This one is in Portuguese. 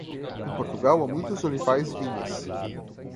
Em Portugal há muitos olivais e vinhas.